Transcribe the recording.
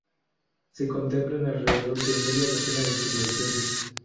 Se contemplan alrededor de media docena de subespecies.